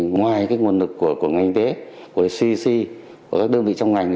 ngoài nguồn lực của ngành y tế của cc của các đơn vị trong ngành